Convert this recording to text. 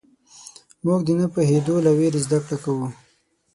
موږ د نه پوهېدو له وېرې زدهکړه کوو.